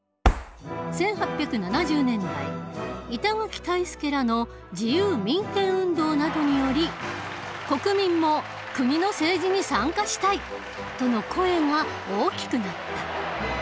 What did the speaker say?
１８７０年代板垣退助らの自由民権運動などにより国民も「国の政治に参加したい！」との声が大きくなった。